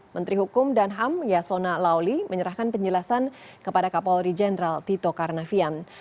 menteri hukum dan ham yasona lauli menyerahkan penjelasan kepada kapolri jenderal tito karnavian